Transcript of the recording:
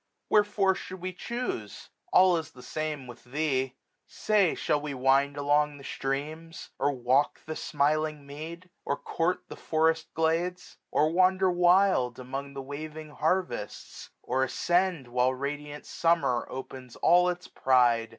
Wherefore should we chuse ? All is the same with thee. Say, shall we wind Along the streams ? or walk the smiling mead ? Or court the forest glades ? or wander wild Among the waving harvests ? or ascend, 1405 While radiant Summer opens all its pride.